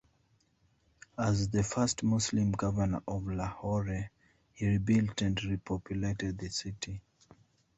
As the first Muslim governor of Lahore, he rebuilt and repopulated the city.